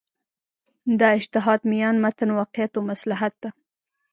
دا اجتهاد میان متن واقعیت و مصلحت ده.